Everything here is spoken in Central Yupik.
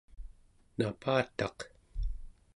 napataq